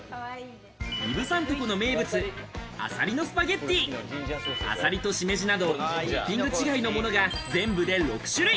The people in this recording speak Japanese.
イブサントコの名物アサリのスパゲッティ、アサリとしめじなど、トッピング違いのものが全部で６種類。